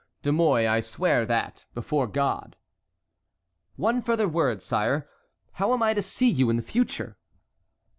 "De Mouy, I swear that, before God." "One further word, sire. How am I to see you in future?"